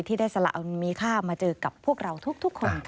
ที่ได้สละเอามีค่ามาเจอกับพวกเราทุกคน